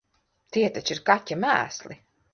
Tie taču ir kaķa mēsli!